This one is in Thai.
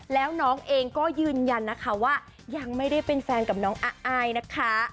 แล้วน้องเองก็ยืนยันนะคะว่ายังไม่ได้เป็นแฟนกับน้องอายนะคะ